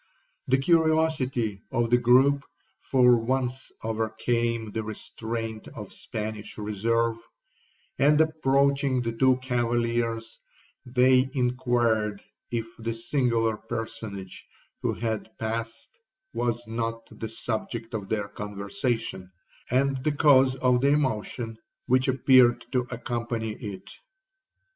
The curiosity of the groupe for once overcame the restraint of Spanish reserve, and approaching the two cavaliers, they inquired if the singular personage who had passed was not the subject of their conversation, and the cause of the emotion which appeared to accompany it.